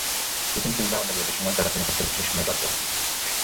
Tiffin কিংবা অন্য বিরতির সময় তারা শ্রেণিকক্ষে বসেই সময় পার করে।